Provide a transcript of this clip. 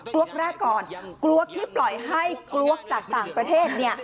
ลวกแรกก่อนกลวกที่ปล่อยให้กลวกจากต่างประเทศ